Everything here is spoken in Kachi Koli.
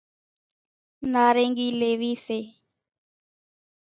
نارينگي ليوي سي،